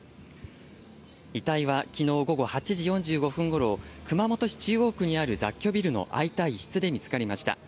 遺体は、きのう午後８時４５分ごろ、熊本市中央区にある雑居ビルの空いた一室で見つかりました。